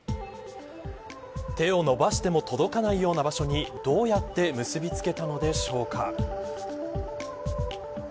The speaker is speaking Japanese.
手を伸ばしても届かないような場所にどうやって結びつけたのでしょうか。